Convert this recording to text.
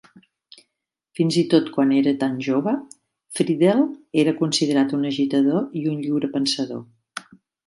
Fins i tot quan era tan jove, Friedell era considerat un agitador i un lliurepensador